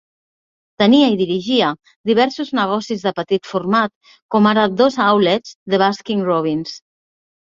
Tenia i dirigia diversos negocis de petit format, com ara dos outlets de Baskin-Robbins.